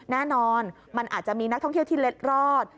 แน่นอนมันอาจจะมีนักท่องเที่ยวที่เล็ดรอด